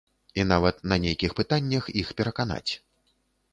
І нават на нейкіх пытаннях іх пераканаць.